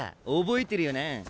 覚えてるよな？